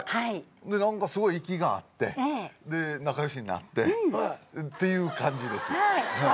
すごい息が合って仲良しになってっていう感じです。